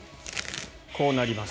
こうなります。